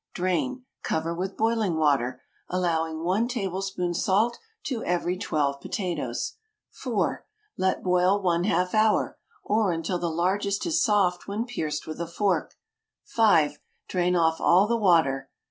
Drain; cover with boiling water, allowing 1 tablespoon salt to every twelve potatoes. 4. Let boil ½ hour, or until the largest is soft when pierced with a fork. 5. Drain off all the water.